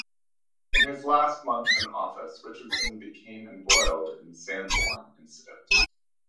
In his last months in office Richardson became embroiled in the Sanborn incident.